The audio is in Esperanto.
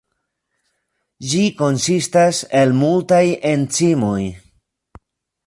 Ĝi konsistas el multaj enzimoj.